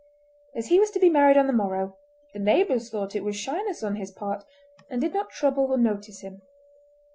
As he was to be married on the morrow, the neighbours thought it was shyness on his part, and did not trouble or notice him.